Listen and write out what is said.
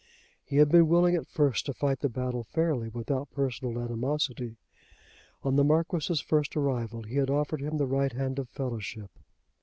He had been willing at first to fight the battle fairly without personal animosity. On the Marquis's first arrival he had offered him the right hand of fellowship.